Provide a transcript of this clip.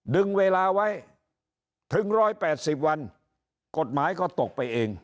ดึงเวลาไว้ถึง๑๘๐วันกฎหมายก็ตกไปเอง